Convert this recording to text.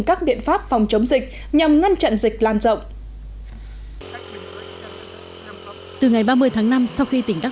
các biện pháp phòng chống dịch nhằm ngăn chặn dịch lan rộng từ ngày ba mươi tháng năm sau khi tỉnh đắk